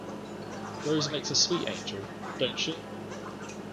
Rose makes a sweet angel, don't she?